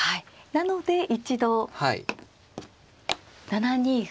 なので一度７二歩と。